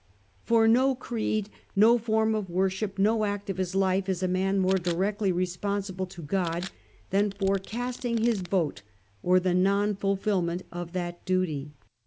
For no creed, no form of worship, no act of his life, is a man more directly responsible to God, than for casting his vote or the non fulfillment of that duty.